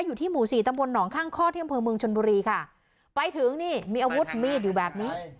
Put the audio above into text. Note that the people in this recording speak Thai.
อยู่ที่หมู่สี่ตำบลหนองข้างข้อที่อำเภอเมืองชนบุรีค่ะไปถึงนี่มีอาวุธมีดอยู่แบบนี้